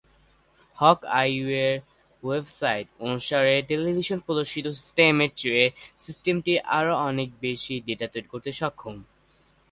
হক-আইয়ের website অনুসারে, টেলিভিশনে প্রদর্শিত সিস্টেমের চেয়ে সিস্টেমটি আরও অনেক বেশি ডেটা তৈরি করতে সক্ষম।